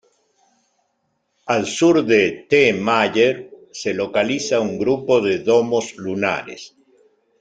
Al sur de T. Mayer se localiza un grupo de domos lunares.